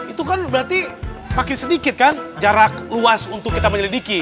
itu kan berarti makin sedikit kan jarak luas untuk kita menyelidiki